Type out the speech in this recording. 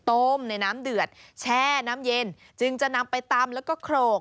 ต้มในน้ำเดือดแช่น้ำเย็นจึงจะนำไปตำแล้วก็โขลก